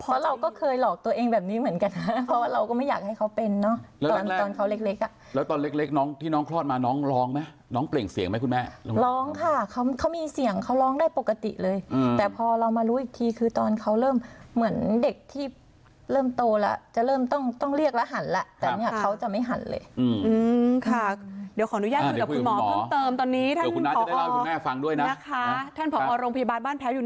เพราะเราก็เคยหลอกตัวเองแบบนี้เหมือนกันนะเพราะว่าเราก็ไม่อยากให้เขาเป็นเนอะตอนตอนเขาเล็กอ่ะแล้วตอนเล็กน้องที่น้องคลอดมาน้องร้องไหมน้องเปล่งเสียงไหมคุณแม่ร้องค่ะเขาเขามีเสียงเขาร้องได้ปกติเลยแต่พอเรามารู้อีกทีคือตอนเขาเริ่มเหมือนเด็กที่เริ่มโตแล้วจะเริ่มต้องต้องเรียกแล้วหันแล้วแต่เนี่ยเขาจะไม่หันเลย